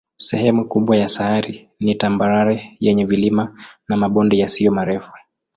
Sehemu kubwa ya sayari ni tambarare yenye vilima na mabonde yasiyo marefu.